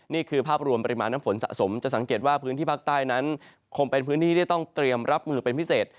นี่คือภาพรวมปริมาณน้ำฝนสะสมจะสังเกตว่าพื้นที่ภาคใต้นั้นคงเป็นพื้นที่ที่ต้องเตรียมรับมือเป็นพิเศษ